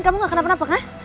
kamu gak kenapa kan